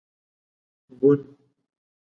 بڼ